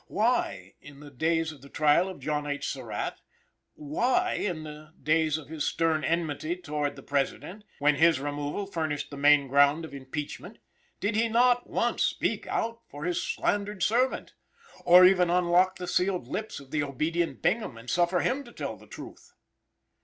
Why, in the days of the trial of John H. Surratt, why, in the days of his stern enmity towards the President, when his removal furnished the main ground of impeachment, did he not once speak out for his slandered servant, or even unlock the sealed lips of the obedient Bingham and suffer him to tell the truth?